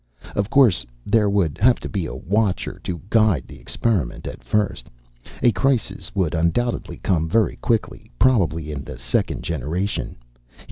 "Of course, there would have to be a Watcher to guide the experiment, at first. A crisis would undoubtedly come very quickly, probably in the second generation.